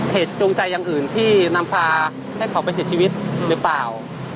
จูงใจอย่างอื่นที่นำพาให้เขาไปเสียชีวิตหรือเปล่า